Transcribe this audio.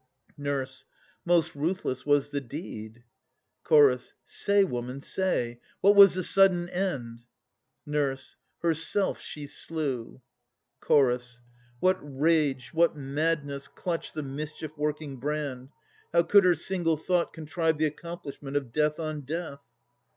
NUR. Most ruthless was the deed. CH. Say, woman, say! What was the sudden end? NUR. Herself she slew. CH. What rage, what madness, clutched The mischief working brand? How could her single thought Contrive the accomplishment of death on death?